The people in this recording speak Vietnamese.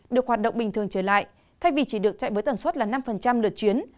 được hoạt động bình thường trở lại thay vì chỉ được chạy với tần suất là năm lượt chuyến